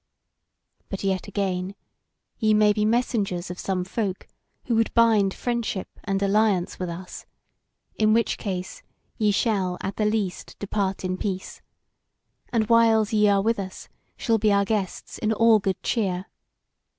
But yet again, ye may be messengers of some folk who would bind friendship and alliance with us: in which case ye shall at the least depart in peace, and whiles ye are with us shall be our guests in all good cheer.